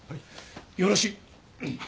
よろしい。